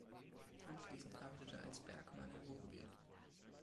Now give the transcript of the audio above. Anschließend arbeitete als Bergmann im Ruhrgebiet.